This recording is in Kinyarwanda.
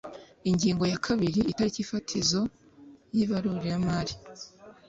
ingingo ya kabiri itariki fatizo y’ibaruramari